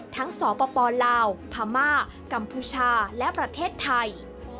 สปลาวพม่ากัมพูชาและประเทศไทย